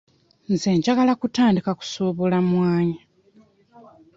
Nze njagala kutandika kusuubula mwanyi.